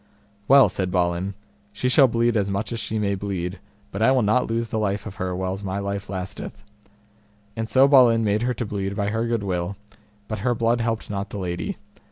Well, said Balin, she shall bleed as much as she may bleed, but I will not lose the life of her whiles my life lasteth. And so Balin made her to bleed by her good will, but her blood helped not the lady.